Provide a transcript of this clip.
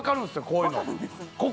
こういうの。